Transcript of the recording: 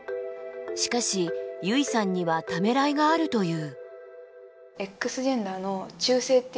しかしゆいさんにはためらいがあるという。